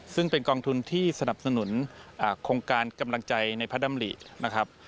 ซึ่งเป็นกองทุนที่สนับสนุนโครงการกำลังใจในพระดำรินะครับ